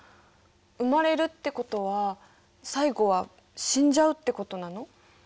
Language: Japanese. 生まれるってことは最後は死んじゃうってことなの？